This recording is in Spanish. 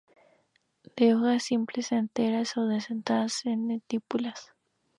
De hojas simples, enteras o dentadas y sin estípulas.